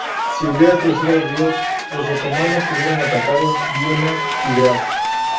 Si hubieran cruzado el río, los otomanos hubieran atacado Viena y Graz.